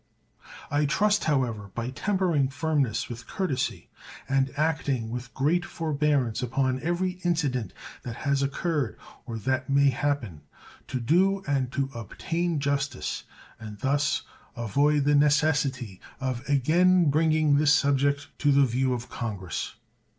I trust, however, by tempering firmness with courtesy and acting with great forbearance upon every incident that has occurred or that may happen, to do and to obtain justice, and thus avoid the necessity of again bringing this subject to the view of Congress.